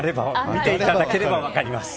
見ていただければ分かります。